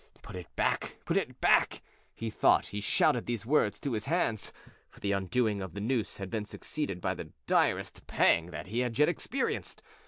"Put it back, put it back!" He thought he shouted these words to his hands, for the undoing of the noose had been succeeded by the direst pang that he had yet experienced.